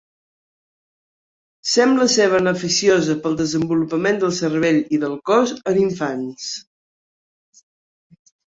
Sembla ser beneficiosa pel desenvolupament del cervell i del cos en infants.